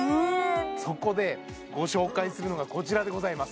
そこでご紹介するのがこちらでございます